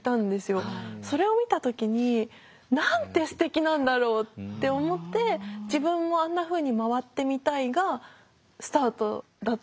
それを見た時になんてすてきなんだろうって思って自分もあんなふうに回ってみたいがスタートだったんです。